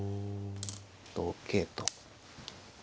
同桂と。